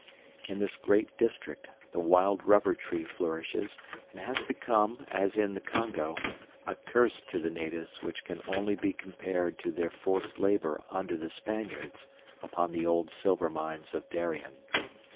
In this great district the wild rubber tree flourishes, and has become, as in the Congo, a curse to the natives which can only be compared to their forced labor under the Spaniards upon the old silver mines of Darien.